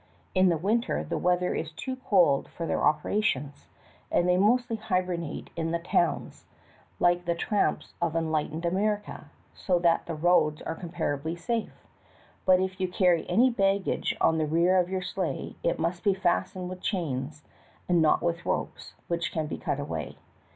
In the winter the weather is too cold for their operations, and they mostl}^ hibernate in the towns, like the tramps of enlightened America, so that the roads are comparatively safe; but if you carry any baggage on the rear of your sleigh it must be fastened with chains and not with ropes, which can be cut away.